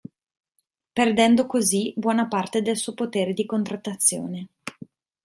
Perdendo così buona parte del suo potere di contrattazione.